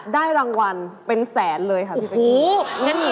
ได้รางวัลเป็นแสนเลยค่ะพี่เบ๊กกี้